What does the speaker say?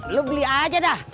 ulu beli aja dah